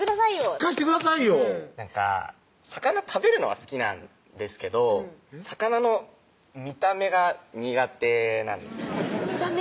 しっかりしてくださいよなんか魚食べるのは好きなんですけど魚の見た目が苦手なんですよね見た目？